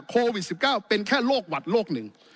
โควิด๑๙เป็นแค่โรคหวัดโรคหนึ่ง